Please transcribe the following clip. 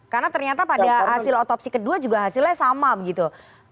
karena ternyata pada hasil otopsi kedua juga hasilnya sama begitu